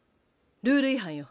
ルール違反よ。